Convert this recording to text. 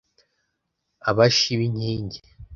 Abashi b'inkingi.